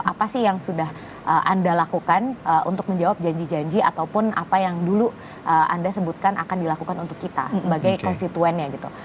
apa sih yang sudah anda lakukan untuk menjawab janji janji ataupun apa yang dulu anda sebutkan akan dilakukan untuk kita sebagai konstituennya gitu